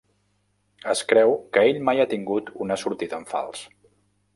Es creu que ell mai ha tingut una sortida en fals.